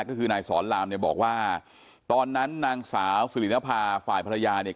ก็คือนายสอนรามเนี่ยบอกว่าตอนนั้นนางสาวสิรินภาฝ่ายภรรยาเนี่ย